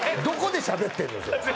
どこでしゃべってるのよ？